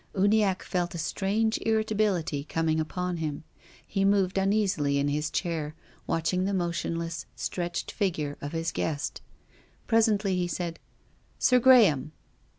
Uniacke felt a strange irritability coming upon him. He moved uneasily in his chair, watching the motionless, stretched figure of his guest. Presently he said :" Sir Graham